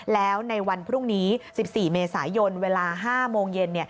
แล้วในวันพรุ่งนี้๑๔เมษายนเวลา๕โมงเย็น